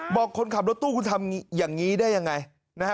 คนขับรถตู้คุณทำอย่างนี้ได้ยังไงนะฮะ